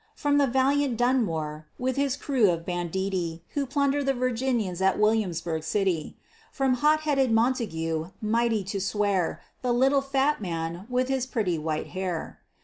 From the valiant Dunmore, with his crew of banditti Who plunder Virginians at Williamsburg city, From hot headed Montague, mighty to swear, The little fat man with his pretty white hair.